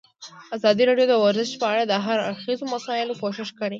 ازادي راډیو د ورزش په اړه د هر اړخیزو مسایلو پوښښ کړی.